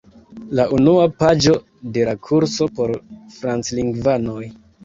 La unua paĝo de la kurso por franclingvanoj.